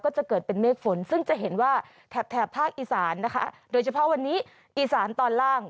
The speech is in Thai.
จะเกิดเป็นเมฆฝนซึ่งจะเห็นว่าแถบแถบภาคอีสานนะคะโดยเฉพาะวันนี้อีสานตอนล่าง